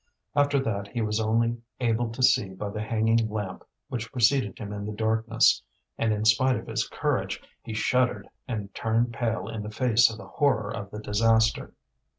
After that he was only able to see by the hanging lamp which preceded him in the darkness, and, in spite of his courage, he shuddered and turned pale in the face of the horror of the disaster.